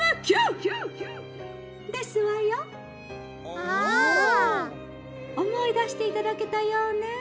「おもいだしていただけたようね。